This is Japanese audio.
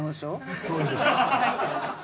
そうです。